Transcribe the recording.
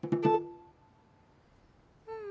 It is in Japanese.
うん。